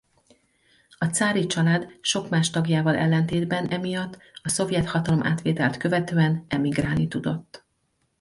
A cári család sok más tagjával ellentétben emiatt a szovjet hatalomátvételt követően emigrálni tudott.